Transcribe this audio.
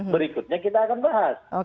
berikutnya kita akan bahas